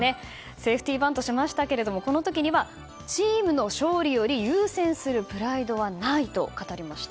セーフティーバントしましたがチームの勝利より優先するプライドはないと語りました。